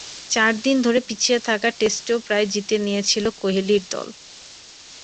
চার দিনে ধরে পিছিয়ে থাকা টেস্টও প্রায় জিতে নিয়েছিল কোহলির দল।